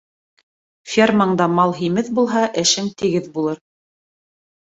Фермаңда мал һимеҙ булһа, эшең тигеҙ булыр.